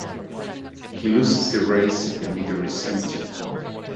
He loses the race if the meter is empty.